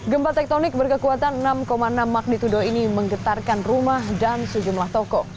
gempa tektonik berkekuatan enam enam magnitudo ini menggetarkan rumah dan sejumlah toko